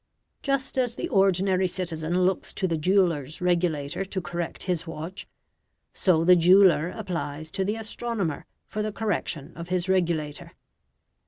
Just as the ordinary citizen looks to the jeweller's regulator to correct his watch, so the jeweller applies to the astronomer for the correction of his regulator.